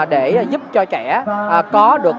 để giúp cho kẻ có được